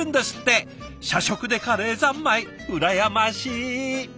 社食でカレー三昧羨ましい！